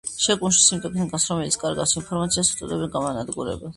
შეკუმშვის იმ ტექნიკას, რომელიც კარგავს ინფორმაციას უწოდებენ გამანადგურებელს.